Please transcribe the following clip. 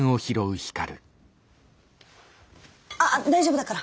あっ大丈夫だから。